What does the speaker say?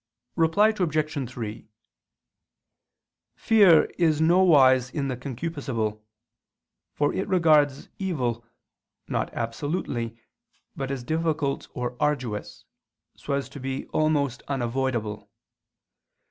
Reply Obj. 3: Fear is nowise in the concupiscible: for it regards evil, not absolutely, but as difficult or arduous, so as to be almost unavoidable.